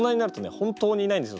本当にいないんですよ